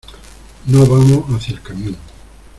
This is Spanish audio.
No vamos hacia el camión.